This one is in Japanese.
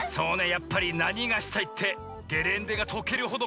やっぱりなにがしたいってゲレンデがとけるほどこいがしたいよね。